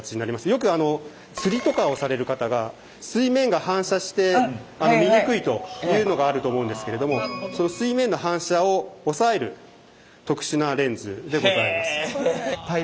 よく釣りとかをされる方が水面が反射して見にくいというのがあると思うんですけれども水面の反射を抑える特殊なレンズでございます。